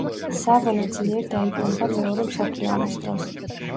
სავონა ძლიერ დაიბომბა მეორე მსოფლიო ომის დროს.